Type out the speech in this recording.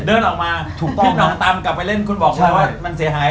เดินออกมาถูกต้องที่หนองตำกลับไปเล่นคุณบอกเลยว่ามันเสียหาย